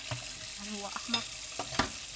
هل هو أحمر؟